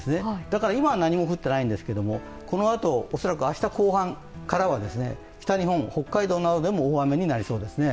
だから今は何も降っていないんですけども、このあと、恐らく明日後半からは北日本、北海道などでも大雨になりそうですね。